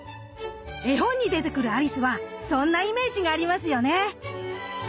絵本に出てくるアリスはそんなイメージがありますよね。